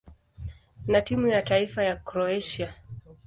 na timu ya taifa ya Kroatia.